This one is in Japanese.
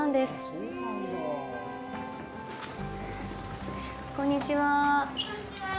あっ、こんにちは。